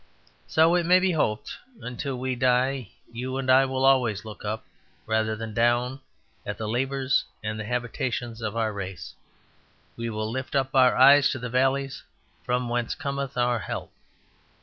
So, it may be hoped, until we die you and I will always look up rather than down at the labours and the habitations of our race; we will lift up our eyes to the valleys from whence cometh our help.